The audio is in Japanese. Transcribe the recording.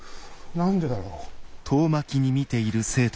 何でだろう。